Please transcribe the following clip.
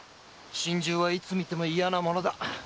心中はいつ見ても嫌なものだ。